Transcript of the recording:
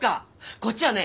こっちはね